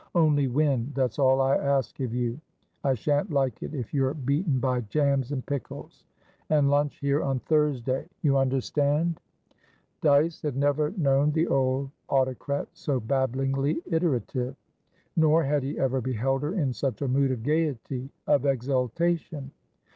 Only win; that's all I ask of you. I shan't like it if you're beaten by jams and pickles. And lunch here on Thursdayyou understand?" Dyce had never known the old autocrat so babblingly iterative. Nor had he ever beheld her in such a mood of gaiety, of exultation.